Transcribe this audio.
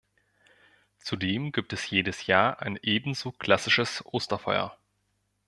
Zudem gibt es jedes Jahr ein ebenso klassisches Osterfeuer.